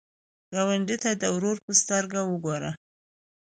ګاونډي ته د ورور په سترګه وګوره